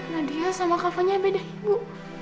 nadia sama kak vanya beda ibu